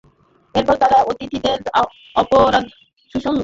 এরপর তারা অতিথিদের অপরাহ্ণ সুসমিতোকে নিয়ে একটি লেখা ভূমিকা পাঠ করে শোনান।